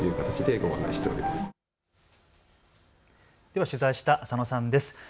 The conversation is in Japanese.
では取材した浅野さんです。